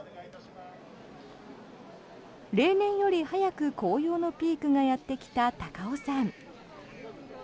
例年より早く紅葉のピークがやってきた高尾山。